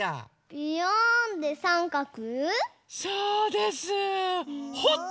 ビヨーンでさんかく。